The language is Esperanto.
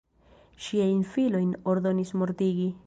Ŝiajn filojn ordonis mortigi.